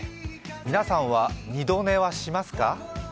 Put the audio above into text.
皆さんは二度寝はしますか？